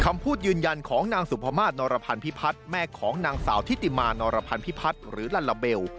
คำพูดยืนยันของนางสุภามาศนรพันธ์พิพัฒน์แม่ของนางสาวทิติมานรพันธ์พิพัฒน์หรือลัลลาเบล